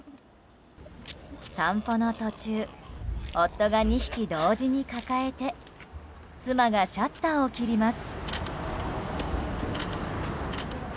散歩の途中夫が２匹同時に抱えて妻がシャッターを切ります。